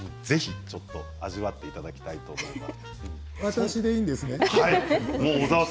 味わっていただきたいと思います。